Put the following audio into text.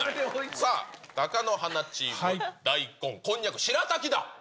さあ、貴乃花チーム、大根、こんにゃく、しらたきだ。